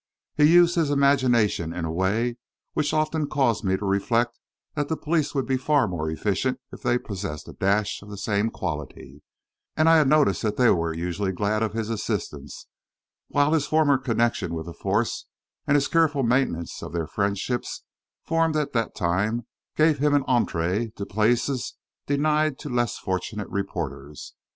He used his imagination in a way which often caused me to reflect that the police would be far more efficient if they possessed a dash of the same quality; and I had noticed that they were usually glad of his assistance, while his former connection with the force and his careful maintenance of the friendships formed at that time gave him an entrée to places denied to less fortunate reporters.